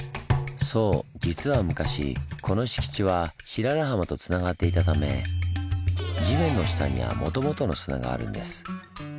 そう実は昔この敷地は白良浜とつながっていたため地面の下にはもともとの砂があるんです。